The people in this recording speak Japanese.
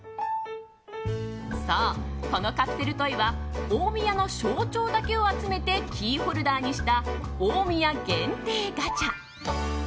そう、このカプセルトイは大宮の象徴だけを集めてキーホルダーにした大宮限定ガチャ。